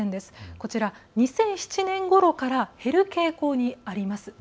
こちら、２００７年ごろから減る傾向にあります。